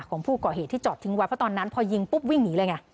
ของผู้ก่อเหตุที่จอดทิ้งไว้เพราะตอนนั้นพอยิงปุ๊บวิ่งหนีเลยไง